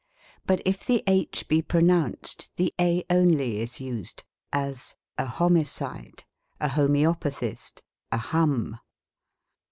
But if the k be pronounced, the a only is used : as, a homicide, a homoepathist, a hum.